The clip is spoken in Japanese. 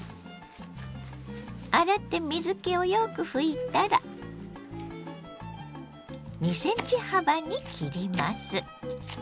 洗って水けをよく拭いたら２ｃｍ幅に切ります。